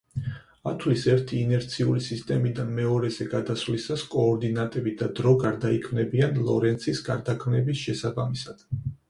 ათვლის ერთი ინერციული სისტემიდან მეორეზე გადასვლისას კოორდინატები და დრო გარდაიქმნებიან ლორენცის გარდაქმნების შესაბამისად.